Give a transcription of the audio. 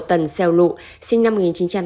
tần xeo lụ sinh năm một nghìn chín trăm tám mươi